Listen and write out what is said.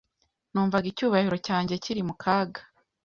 Numvaga icyubahiro cyanjye kiri mu kaga.